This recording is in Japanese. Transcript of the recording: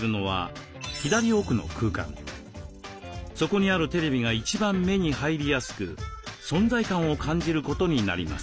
そこにあるテレビが一番目に入りやすく存在感を感じることになります。